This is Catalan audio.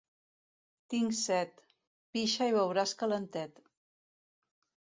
Tinc set / —Pixa i beuràs calentet.